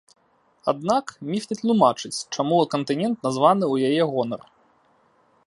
Аднак, міф не тлумачыць, чаму кантынент названы ў яе гонар.